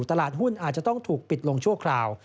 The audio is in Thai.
ตลาดหุ้นอาจจะต้องถูกปิดลงชั่วคราว